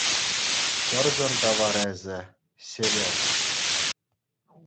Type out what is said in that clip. Чӑрсӑр та вара эсӗ, Сережа.